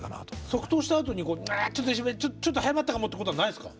即答したあとにちょっと早まったかもってことはないですか？